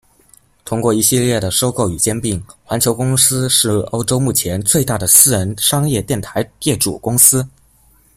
通过一系列的收购与兼并，环球公司是欧洲目前最大的私人商业电台业主公司。